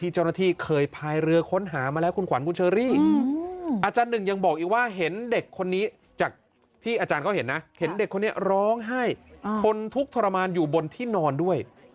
จากที่อาจารย์ก็เห็นนะเห็นเด็กคนนี้ร้องไห้ทนทุกข์ทรมานอยู่บนที่นอนด้วย